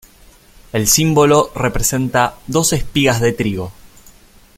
El símbolo representa dos espigas de trigo.